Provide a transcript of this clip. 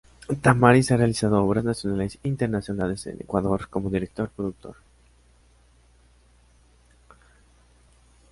Tamariz ha realizado obras nacionales e internacionales en Ecuador, como director y productor.